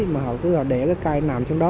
mà họ cứ để cái cây nằm xuống đó